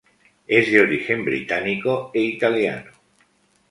Es de origen británico e italiano.